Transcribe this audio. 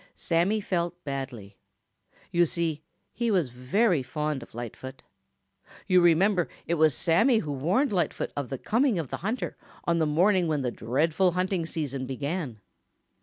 Sammy felt badly. You see, he was very fond of Lightfoot. You remember it was Sammy who warned Lightfoot of the coming of the hunter on the morning when the dreadful hunting season began.